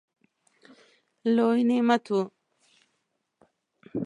لوی نعمت وو.